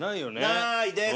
◆なーいです。